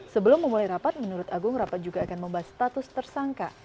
sebelum memulai rapat menurut agung rapat juga akan membahas status tersangka